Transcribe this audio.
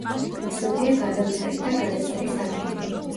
უცნობია გადამწერი და გადაწერის ადგილი.